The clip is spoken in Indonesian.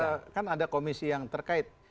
ya kan ada komisi yang terkait